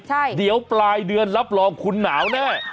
ใช่เดี๋ยวปลายเดือนรับรองคุณหนาวแน่